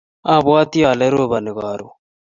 abwatii ale roboni akron